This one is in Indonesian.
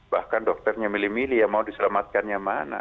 bahkan dokternya milih milih ya mau diselamatkannya mana